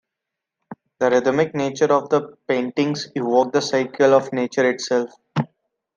The rhythmic nature of the paintings evoke the cycle of nature itself.